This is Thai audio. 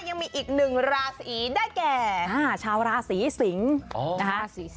ยังมีอีกหนึ่งราศีได้แก่ชาวราศีสิงศ์นะคะ